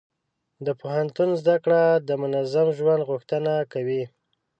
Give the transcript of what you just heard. د پوهنتون زده کړه د منظم ژوند غوښتنه کوي.